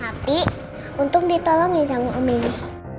tapi untung ditolong ya sama om ini